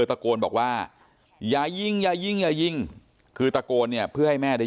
ตะโกนบอกว่าอย่ายิงอย่ายิงอย่ายิงคือตะโกนเนี่ยเพื่อให้แม่ได้